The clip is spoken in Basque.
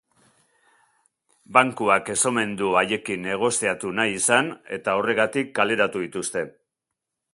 Bankuak ez omen du haiekin negoziatu nahi izan eta horregatik kaleratu dituzte.